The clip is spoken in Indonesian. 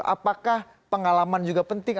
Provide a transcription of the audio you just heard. apakah pengalaman juga penting